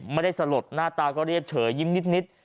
ไม่ได้สลดหน้าตาก็เรียบเฉยยิ้มนิด